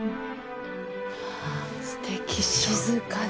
すてき静かで。